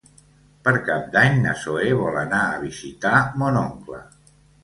Per Cap d'Any na Zoè vol anar a visitar mon oncle.